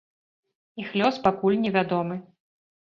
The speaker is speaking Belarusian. Іх лёс пакуль невядомы.